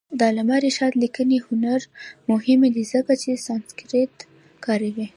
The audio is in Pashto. د علامه رشاد لیکنی هنر مهم دی ځکه چې سانسکریت کاروي.